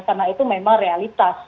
karena itu memang realitas